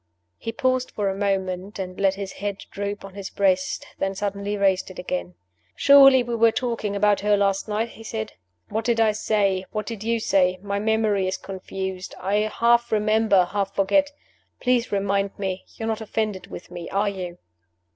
He paused for a moment; he let his head droop on his breast, then suddenly raised it again. "Surely we were talking about her last night?" he said. "What did I say? what did you say? My memory is confused; I half remember, half forget. Please remind me. You're not offended with me are you?"